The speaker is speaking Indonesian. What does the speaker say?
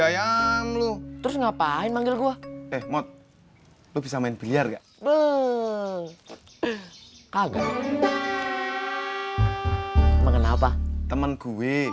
ayam lu terus ngapain manggil gua eh mod lu bisa main biar nggak tuh kagak mengenal apa teman gue